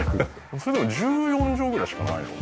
でも１４畳ぐらいしかないので。